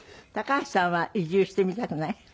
高橋さんは移住してみたくない？